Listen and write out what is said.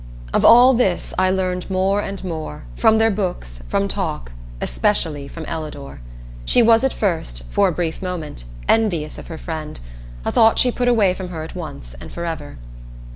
Of all this I learned more and more from their books, from talk, especially from Ellador. She was at first, for a brief moment, envious of her friend a thought she put away from her at once and forever.